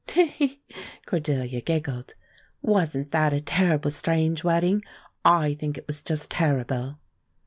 "Te he!" Cordelia giggled. "Wasn't that a terrible strange wedding? I think it was just terrible."